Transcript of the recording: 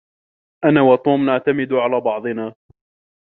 أنا وتوم نعتمد على بعضنا.